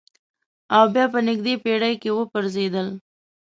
او بیا په تېره پېړۍ کې وپرځېدل.